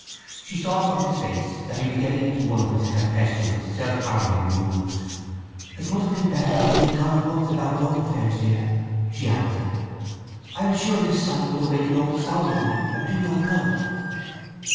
She saw from his face that he was getting into one of his tempestuous, self harrowing moods. "It would have been better if we had gone at once about our own affairs, dear," she answered. "I am sure this sight will awaken old sorrows in you, and do no good!"